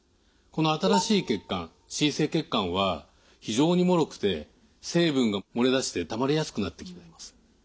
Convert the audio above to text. この新しい血管新生血管は非常にもろくて成分が漏れ出してたまりやすくなってきています。